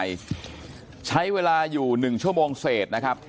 ใช้เวลาอยู่๑ชั่วโมงเศษนะครับ